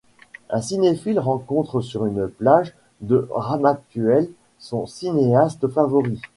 Un cinéphile rencontre sur une plage de Ramatuelle son cinéaste favori.